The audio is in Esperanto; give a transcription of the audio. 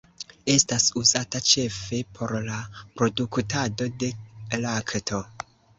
Estas uzata ĉefe por la produktado de lakto.